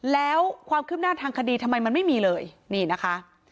แล้วความคืบหน้าทางคดีทำไมมันไม่มีเลยนี่นะคะ